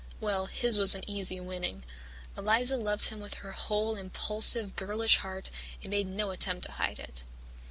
Well, his was an easy winning. Eliza loved him with her whole impulsive, girlish heart and made no attempt to hide it.